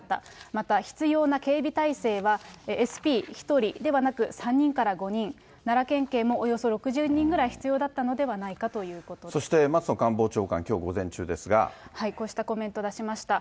また必要な警備体制はＳＰ１人ではなく、３人から５人、奈良県警もおよそ６０人ぐらい必要だったのではないかということそして松野官房長官、こうしたコメント、出しました。